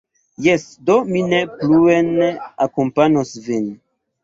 Jes, do mi ne pluen akompanos vin.